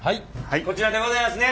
こちらでございますね。